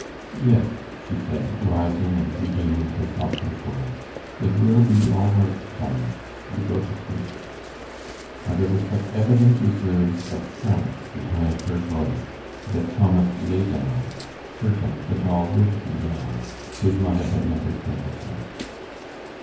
"Yes," she said, rising and regaining her self control, "it will be all right, Thomas. You go to sleep." And there were such evident reserves of strength behind her voice that Thomas lay down, certain that all would be well. His mother had never failed him.